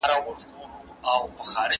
تاسو د خپل وطن د ساتنې لپاره ملا وتړئ.